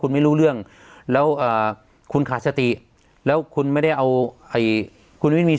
คุณไม่รู้เรื่องแล้วคุณขาดสติแล้วคุณไม่ได้เอาคุณไม่มี